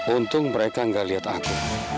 untung mereka nggak lihat aku